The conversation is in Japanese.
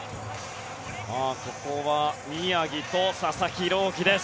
ここは宮城と佐々木朗希です。